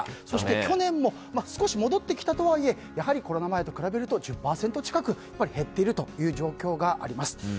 そして去年も少し戻ってきたとはいえやはりコロナ前と比べると１０％近く減っているという状況があります。